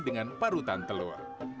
dengan parutan telur